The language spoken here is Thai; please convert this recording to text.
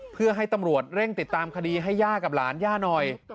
เพื่อให้ตำรวจเร่งติดตามคดีให้ย่ากับหลานย่าหน่อย